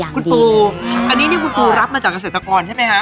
คุณปูอันนี้นี่คุณปูรับมาจากเกษตรกรใช่ไหมฮะ